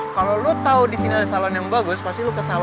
kalo lo tau disini ada salon yang bagus pasti lo kesana aja ya